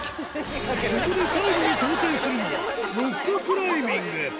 そこで最後に挑戦するのはロッククライミング。